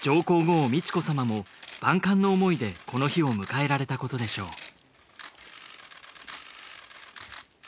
皇后美智子さまも万感の思いでこの日を迎えられたことでしょう